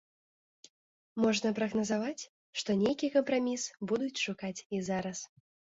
Можна прагназаваць, што нейкі кампраміс будуць шукаць і зараз.